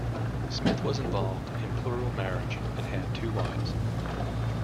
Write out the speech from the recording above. Smith was involved in plural marriage and had two wives.